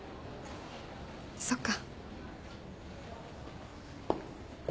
そっか。